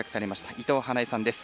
伊藤華英さんです。